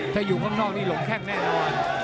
ถ้าอยู่ข้างนอกนี่หลงแข้งแน่นอน